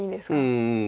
うん。